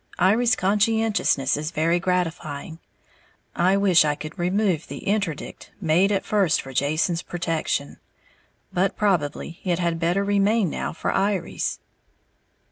Iry's conscientiousness is very gratifying. I wish that I could remove the interdict made at first for Jason's protection; but probably it had better remain now for Iry's.